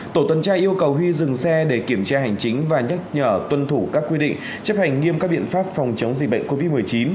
tổ tuần tra yêu cầu huy dừng xe để kiểm tra hành chính và nhắc nhở tuân thủ các quy định chấp hành nghiêm các biện pháp phòng chống dịch bệnh covid một mươi chín